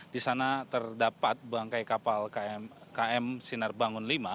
di sana terdapat bangkai kapal km sinar bangun v